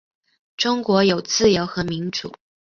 中国有自由和民主